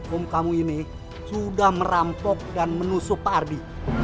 om kamu ini sudah merampok dan menusuk pak ardi